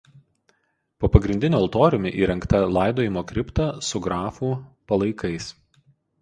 Po pagrindiniu altoriumi įrengta laidojimo kripta su grafų palaikais.